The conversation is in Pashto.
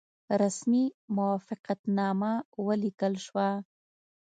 رسمي موافقتنامه ولیکل شوه.